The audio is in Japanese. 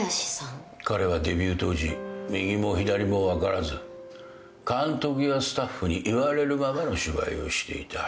彼はデビュー当時右も左も分からず監督やスタッフに言われるままの芝居をしていた。